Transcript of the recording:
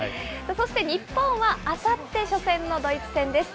そして日本はあさって、初戦のドイツ戦です。